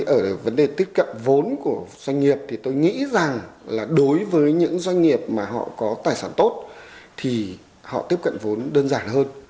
ở vấn đề tiếp cận vốn của doanh nghiệp thì tôi nghĩ rằng là đối với những doanh nghiệp mà họ có tài sản tốt thì họ tiếp cận vốn đơn giản hơn